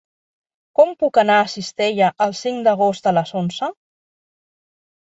Com puc anar a Cistella el cinc d'agost a les onze?